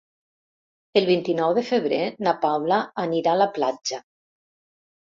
El vint-i-nou de febrer na Paula anirà a la platja.